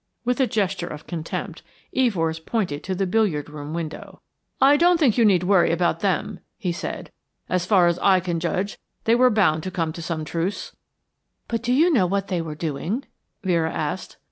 With a gesture of contempt, Evors pointed to the billiard room window. "I don't think you need worry about them," he said. "As far as I can judge, they were bound to come to some truce." "But do you know what they were doing?" Vera asked.